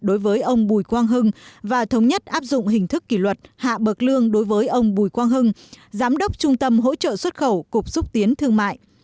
đối với ông bùi quang hưng và thống nhất áp dụng hình thức kỷ luật hạ bậc lương đối với ông bùi quang hưng giám đốc trung tâm hỗ trợ xuất khẩu cục xúc tiến thương mại